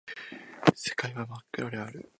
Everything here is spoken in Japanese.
この真っ暗な世界ではよくあることだったから